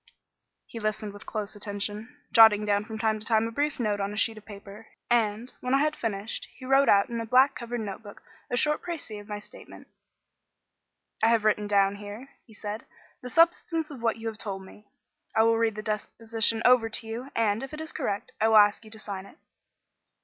He listened with close attention, jotting down from time to time a brief note on a sheet of paper; and, when I had finished, he wrote out in a black covered notebook a short précis of my statement. "I have written down here," he said, "the substance of what you have told me. I will read the deposition over to you, and, if it is correct, I will ask you to sign it."